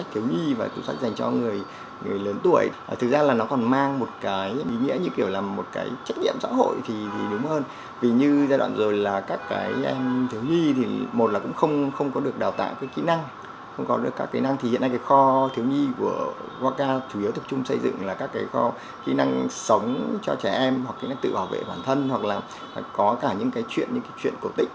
kỹ năng sống cho trẻ em hoặc kỹ năng tự bảo vệ bản thân hoặc là có cả những cái chuyện những cái chuyện cổ tích